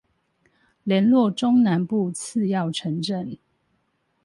連絡中南部次要城鎮